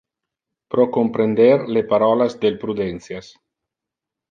Pro comprender le parolas del prudentias.